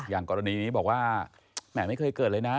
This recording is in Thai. อย่างกรณีนี้บอกว่าแหมไม่เคยเกิดเลยนะ